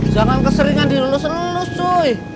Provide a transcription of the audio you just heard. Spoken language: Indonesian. jangan keseringan dirulus lulus cuy